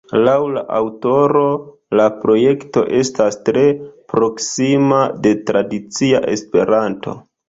Laŭ la aŭtoro, la projekto estas tre proksima de tradicia Esperanto.